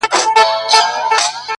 ما خو خپل زړه هغې ته وركړى ډالۍ _